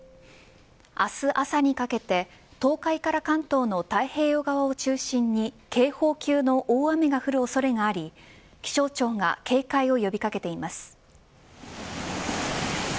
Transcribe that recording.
明日朝にかけて東海から関東の太平洋側を中心に警報級の大雨が降る恐れがあり気象庁が警戒を呼び掛けています。